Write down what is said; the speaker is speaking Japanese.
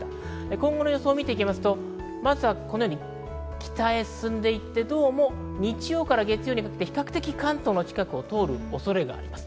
今後の予想を見るとまずは北へ進んでいって、どうも日曜から月曜にかけて比較的関東の近くを通る恐れがあります。